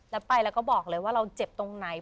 แล้วไปแล้วก็บอกเลยว่าเราเจ็บตรงไหน